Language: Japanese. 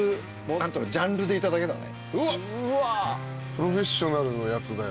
『プロフェッショナル』のやつだよ。